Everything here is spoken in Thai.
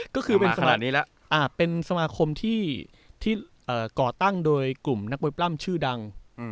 ก็คือเป็นสมาคมที่ก่อตั้งโดยกลุ่มนักมวยปล้ำชื่อดัง